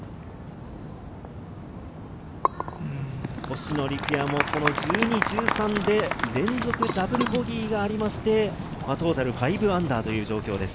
星野陸也も１２、１３で連続ダブルボギーがありまして、トータル−５という状況です。